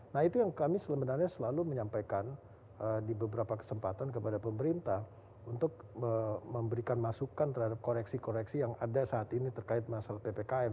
nah itu yang kami sebenarnya selalu menyampaikan di beberapa kesempatan kepada pemerintah untuk memberikan masukan terhadap koreksi koreksi yang ada saat ini terkait masalah ppkm